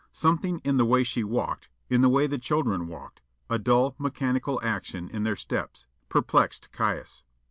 Something in the way she walked, in the way the children walked a dull, mechanical action in their steps perplexed Caius.